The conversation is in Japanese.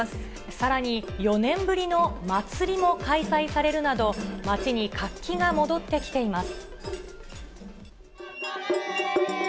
さらに４年ぶりの祭りも開催されるなど、街に活気が戻ってきています。